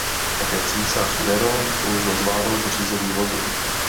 Také císař Nero toužil zvládnout řízení vozu.